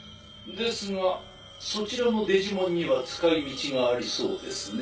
ですがそちらのデジモンには使い道がありそうですね。